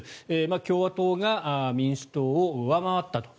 共和党が民主党を上回ったと。